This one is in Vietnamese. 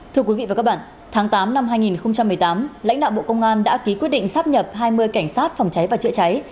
thưa quý vị và các bạn tháng tám năm hai nghìn một mươi tám lãnh đạo bộ công an đã ký quyết định sắp nhập hai mươi cảnh sát phòng cháy và chữa cháy